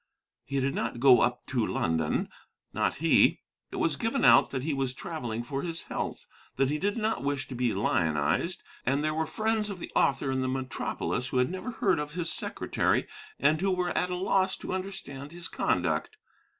He did not go up to London; not he. It was given out that he was travelling for his health, that he did not wish to be lionized; and there were friends of the author in the metropolis who had never heard of his secretary, and who were at a loss to understand his conduct.